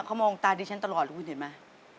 เขามองตาดิฉันตลอดแล้วคุณเห็นไหม